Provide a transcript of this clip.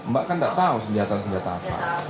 mbak kan tidak tahu senjata senjata apa